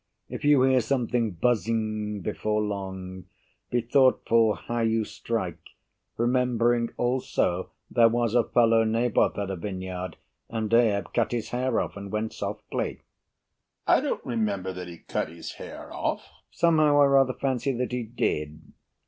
If you hear something buzzing before long, Be thoughtful how you strike, remembering also There was a fellow Naboth had a vineyard, And Ahab cut his hair off and went softly. HAMILTON I don't remember that he cut his hair off. BURR Somehow I rather fancy that he did.